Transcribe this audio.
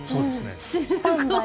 すごい！